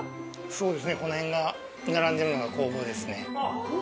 そうですね、この辺に並んでるのが酵母ですね。